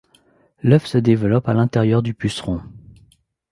L’œuf se développe à l’intérieur du puceron.